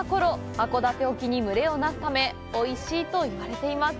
函館沖に群れをなすためおいしいといわれています。